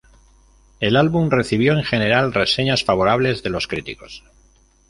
El álbum recibió en general "reseñas favorables" de los críticos.